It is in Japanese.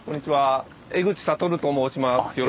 江口悟と申します。